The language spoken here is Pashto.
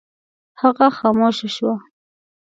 هغه خاموشه شوه.